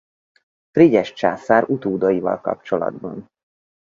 Frigyes császár utódaival kapcsolatban.